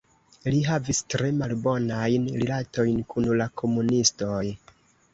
Li havis tre malbonajn rilatojn kun la komunistoj.